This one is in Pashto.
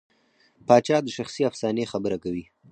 پاچا د شخصي افسانې خبره کوي.